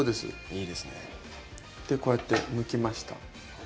でこうやってむきました。